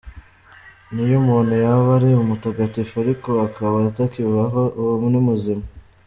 N’iyo umuntu yaba ari umutagatifu ariko akaba atakibaho, uwo ni umuzimu”.